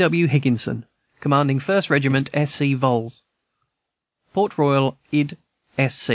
W. HIGGINSON, Commanding 1st Regt. S. C. Vols., Port Royal Id.